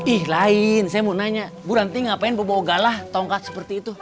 ih lain saya mau nanya bu ranti ngapain bawa galah tongkat seperti itu